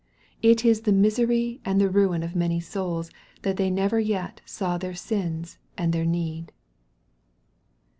It is the misery and the ruin of many souls tnat they never yet saw their sins and their need.